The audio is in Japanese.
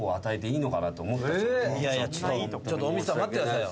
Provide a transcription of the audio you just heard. いやいやちょっと隠密さん待ってくださいよ。